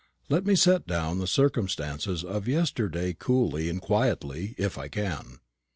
Let me set down the circumstances of yesterday coolly and quietly if I can.